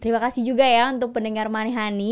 terima kasih juga ya untuk pendengar manihani